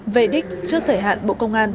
về đích trước thời hạn bộ công an